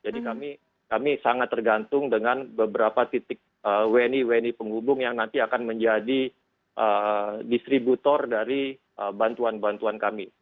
jadi kami sangat tergantung dengan beberapa titik wni wni penghubung yang nanti akan menjadi distributor dari bantuan bantuan kami